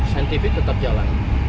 sientifik tetap jalan